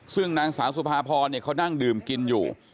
ซึ่งนางสาวสุภาพรเขานั่งดื่มกินอยู่